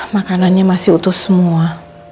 makanannya masih utuh semua